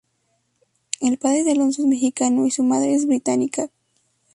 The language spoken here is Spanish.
El padre de Alonso es mexicano, y su madre es británica.